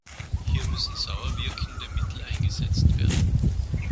Hier müssen sauer wirkende Mittel eingesetzt werden.